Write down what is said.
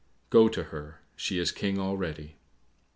"Go to her; she is King already."